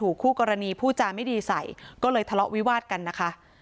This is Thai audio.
คู่กรณีผู้จาไม่ดีใส่ก็เลยทะเลาะวิวาดกันนะคะ